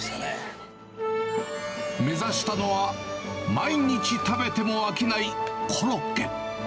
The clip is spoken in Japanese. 目指したのは、毎日食べても飽きないコロッケ。